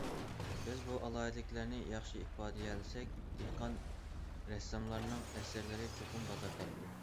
بىز بۇ ئالاھىدىلىكلەرنى ياخشى ئىپادىلىيەلىسەك، دېھقان رەسساملارنىڭ ئەسەرلىرى چوقۇم بازار تاپىدۇ.